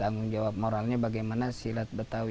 cingkrik ini berasal dari bahasa betawi